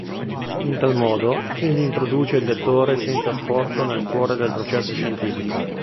In tal modo, egli introduce il lettore senza sforzo nel cuore del processo scientifico.